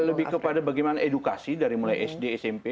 lebih kepada bagaimana edukasi dari mulai sd smp